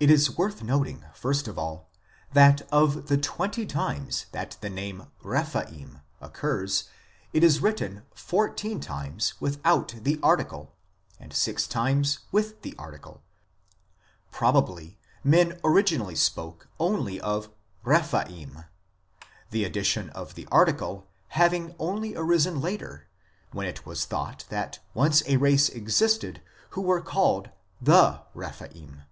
It is worth noting, first of all, that of the twenty times that the name Rephaim occurs it is written fourteen times without the article, and six times with the article ; probably men originally spoke only of " Rephaim," the addition of the article having only arisen later when it was thought THE REPHAIM 73 that once a race existed who were called " the Rephaim."